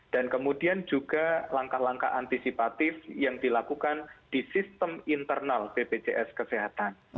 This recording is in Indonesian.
dan kemudian juga langkah langkah antisipatif yang dilakukan di sistem internal bpjs kesehatan